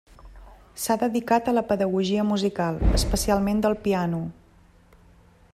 S'ha dedicat a la pedagogia musical, especialment del piano.